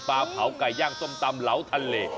เผาไก่ย่างส้มตำเหลาทะเล